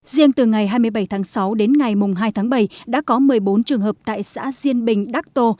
riêng từ ngày hai mươi bảy tháng sáu đến ngày hai tháng bảy đã có một mươi bốn trường hợp tại xã diên bình đắc tô